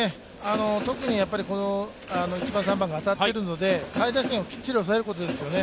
特に１番、３番が当たっているので、下位打線をきっちり抑えることですよね。